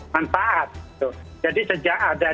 manfaat jadi sejak ada